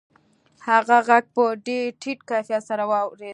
هغه غږ په ډېر ټیټ کیفیت سره اورېده